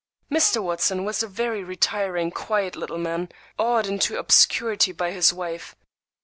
Mr. Watson was a very retiring, quiet little man, awed into obscurity by his wife.